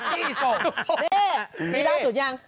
นี่นี่ล่าสุดยัง